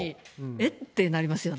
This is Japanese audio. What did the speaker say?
えってなりますよね。